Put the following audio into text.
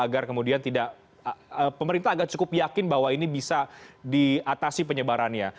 agar kemudian tidak pemerintah agak cukup yakin bahwa ini bisa diatasi penyebarannya